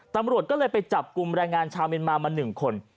ตำรวจก็เลยไปจับกลุ่มแรงงานชาวเมียนมามา๑คน